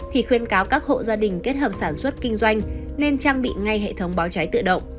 thì khuyên cáo các hộ gia đình kết hợp sản xuất kinh doanh nên trang bị ngay hệ thống báo cháy tự động